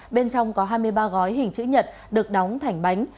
bên trong có hai mươi ba gói hình chữ nhật được đóng thành bánh